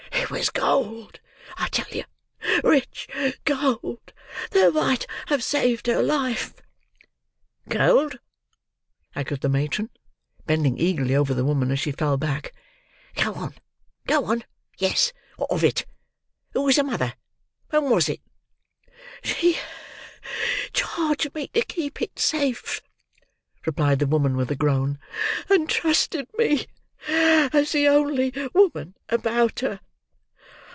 It was gold, I tell you! Rich gold, that might have saved her life!" "Gold!" echoed the matron, bending eagerly over the woman as she fell back. "Go on, go on—yes—what of it? Who was the mother? When was it?" "She charged me to keep it safe," replied the woman with a groan, "and trusted me as the only woman about her.